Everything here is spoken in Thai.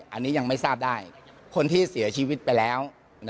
อันนี้ยังไม่ทราบได้คนที่เสียชีวิตไปแล้ว